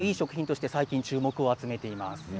健康にもいい食品として最近注目を集めています。